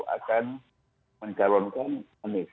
akan menggalonkan anis